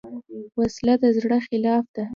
وسله د زړه خلاف ده